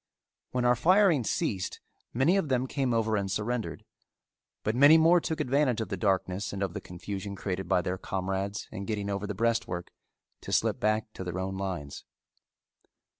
When our firing ceased, many of them came over and surrendered, but many more took advantage of the darkness and of the confusion created by their comrades in getting over the breastwork to slip back to their own lines.